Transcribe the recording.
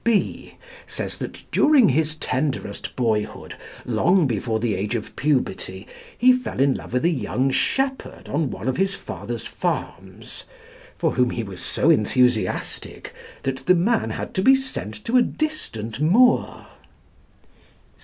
B says that during his tenderest boyhood, long before the age of puberty, he fell in love with a young shepherd on one of his father's farms, for whom he was so enthusiastic that the man had to be sent to a distant moor.